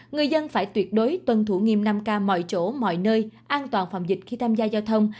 người dân phải tuyệt đối tuân thủ nghiêm năm k mọi chỗ mọi nơi an toàn phòng dịch khi tham gia giao thông